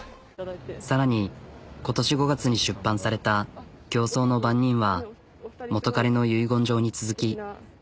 さらに今年５月に出版された「競争の番人」は「元彼の遺言状」に続き。